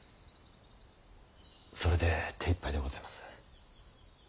それで手いっぱいでございます。